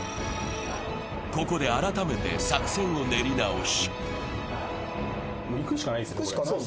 ここで改めて作戦を練り直し。